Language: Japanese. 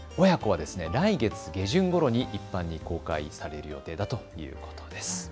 親子は来月下旬ごろに一般に公開される予定だということです。